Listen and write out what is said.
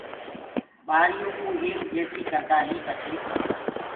ٻآريو ڪو ايڪ جيسي ڪردآ هين پڇي